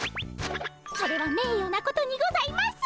それはめいよなことにございます！